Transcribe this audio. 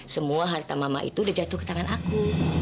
semua harta mama itu udah jatuh ke tangan aku